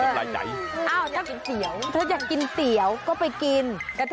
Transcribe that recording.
ถ้าอยากกินเตี๋ยวก็ไปกิน